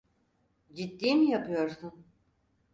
Ciddi mi yapıyorsun?